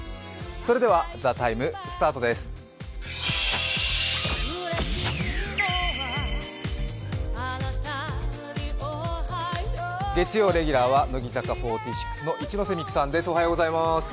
それでは「ＴＨＥＴＩＭＥ，」スタートです月曜レギュラーは乃木坂４６の一ノ瀬美空さんです。